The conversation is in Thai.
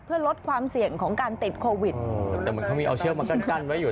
เพื่อลดความเสี่ยงของการติดโควิดแต่ก็มีเอาเชือกมันด้านไว้อยู่